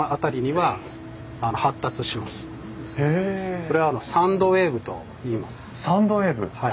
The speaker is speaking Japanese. それは「サンドウェーブ」と言います。